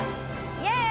イエーイ！